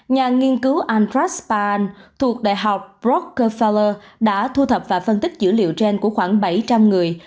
nhà nghiên cứu andras pahan thuộc đại học rockefeller đã thu thập và phân tích dữ liệu gene của khoảng bảy trăm linh người